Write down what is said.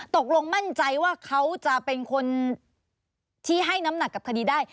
ตกลงมั่นใจว่าเขาจะเป็นคนที่ให้น้ำหนักกับคดีได้